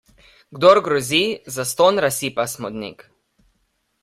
Kdor grozi, zastonj razsipa smodnik.